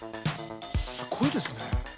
すごいですね。